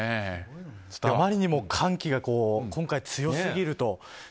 あまりにも寒気が今回、強すぎると。